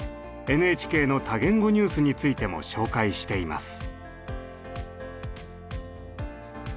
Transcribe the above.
ＮＨＫの多言語ニュースについても紹介しています。